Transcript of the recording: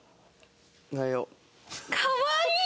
かわいい！